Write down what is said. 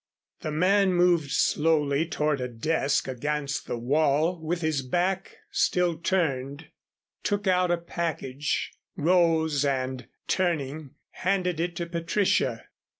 The man moved slowly toward a desk against the wall with his back still turned, took out a package, rose and, turning, handed it to Patricia.